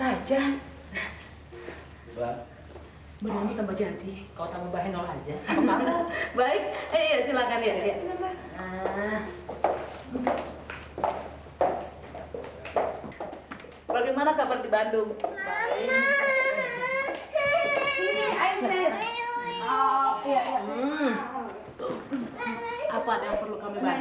apa ada yang perlu kami bantu